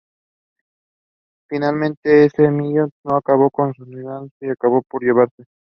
She comes back to her maternal home.